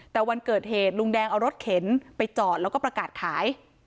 แต่วันเกิดเหตุลุงแดงเอารถเข็นไปจอดแล้วก็ประกาศขาย